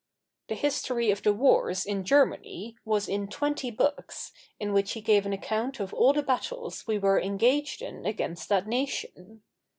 'The History of the Wars in Germany' was in twenty books, in which he gave an account of all the battles we were engaged in against that nation.